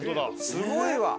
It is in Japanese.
すごいわ！